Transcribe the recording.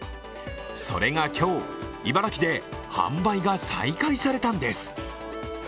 それが今日、茨城で販売が再開されたんです。